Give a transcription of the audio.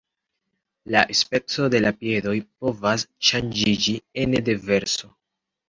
La speco de la piedoj povas ŝanĝiĝi ene de verso.